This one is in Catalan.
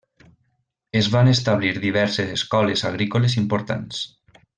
Es van establir diverses escoles agrícoles importants.